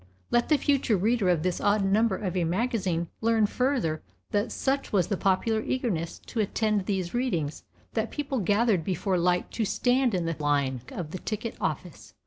Let the future reader of this odd number of a magazine learn further that such was the popular eagerness to attend these readings that people gathered before light to stand in the line of the ticket office.